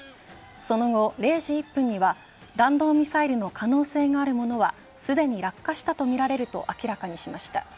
その後０時１分には弾道ミサイルの可能性があるものはすでに落下したとみられると明らかにしました。